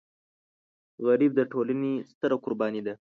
غریب د ټولنې ستره قرباني ده